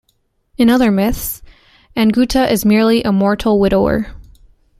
In other myths, Anguta is merely a mortal widower.